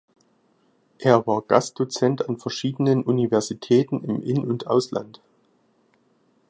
Er war Gastdozent an verschiedenen Universitäten im In- und Ausland.